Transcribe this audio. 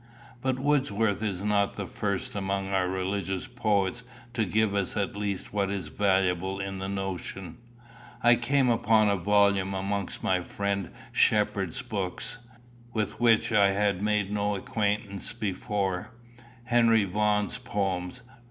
But Wordsworth is not the first among our religious poets to give us at least what is valuable in the notion. I came upon a volume amongst my friend Shepherd's books, with which I had made no acquaintance before Henry Vaughan's poems.